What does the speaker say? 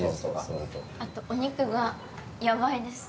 あとお肉がやばいです。